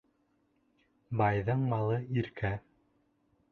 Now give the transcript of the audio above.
Байҙың малы иркә